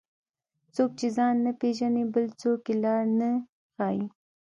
څوک چې ځان نه پیژني، بل څوک یې لار نه ښيي.